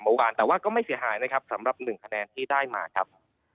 เมื่อวานแต่ว่าก็ไม่เสียหายนะครับสำหรับ๑คะแนนที่ได้มาครับ